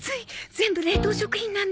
全部冷凍食品なんだ